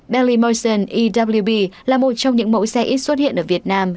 bentley merchant ewb là một trong những mẫu xe ít xuất hiện ở việt nam